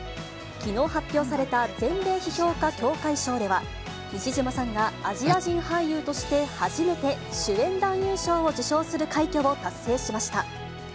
きのう発表された全米批評家協会賞では、西島さんがアジア人俳優として初めて、主演男優賞を受賞する快挙を達成しました。